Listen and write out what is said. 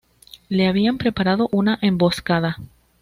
Le habían preparado una emboscada.